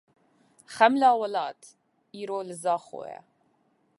Xemla Welat îro li Zaxoyê ye.